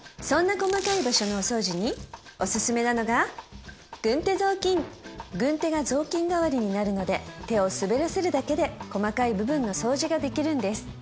そんな細かい場所のお掃除におすすめなのが軍手ぞうきん軍手がぞうきん代わりになるので手を滑らせるだけで細かい部分の掃除ができるんです